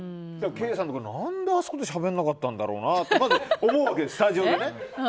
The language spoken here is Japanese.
ケイさんも何であそこでしゃべらなかったんだろうなって思うわけです、スタジオで。